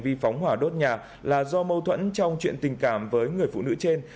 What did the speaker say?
vì phóng hỏa đốt nhà là do mâu thuẫn trong chuyện tình cảm với người phụ nữ trên